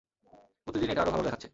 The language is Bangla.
প্রতিদিন এটা আরও ভালো দেখাচ্ছে।